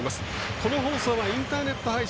この放送はインターネット配信